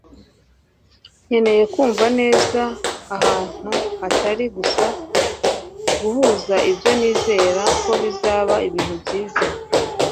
nkeneye kumva neza ahantu hatari gusa guhuza ibyo nizera ko bizaba ibintu byiza